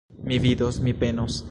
Mi vidos, mi penos.